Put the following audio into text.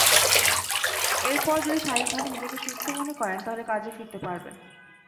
এরপর যদি শারীরিকভাবে নিজেকে সুস্থ মনে করেন, তাহলে কাজে ফিরতে পারবেন।